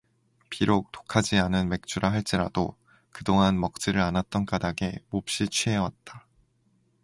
비록 독하지 않은 맥주라 할지라도 그동안 먹지를 않았던 까닭에 몹시 취해 왔다.